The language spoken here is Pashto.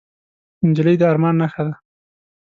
نجلۍ د ارمان نښه ده.